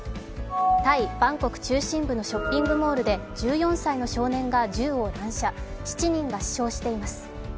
タイ・バンコク中心部のショッピングモールで１４歳の少年が銃を乱射、７人が死傷しています。